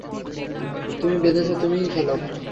তুমি বেঁধেছ, তুমিই খোলো।